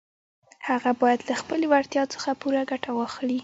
هغه بايد له خپلې وړتيا څخه پوره ګټه واخلي.